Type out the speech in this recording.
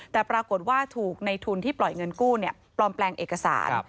แต่ปรากฏว่าถูกในทุนที่ปล่อยเงินกู้ปลอมแปลงเอกสาร